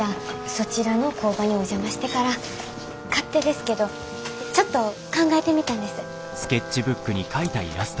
そちらの工場にお邪魔してから勝手ですけどちょっと考えてみたんです。